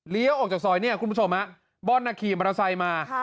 เลี้ยวออกจากซอยนี่คุณผู้ชมบอลนักขี่มรสัยมา